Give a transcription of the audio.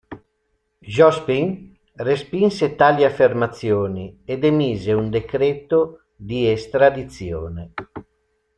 Jospin respinse tali affermazioni ed emise un decreto di estradizione.